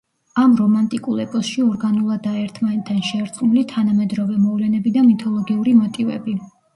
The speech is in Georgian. ამ რომანტიკულ ეპოსში ორგანულადაა ერთმანეთთან შერწყმული თანამედროვე მოვლენები და მითოლოგიური მოტივები.